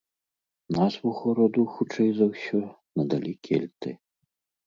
Назву гораду, хутчэй за ўсё, надалі кельты.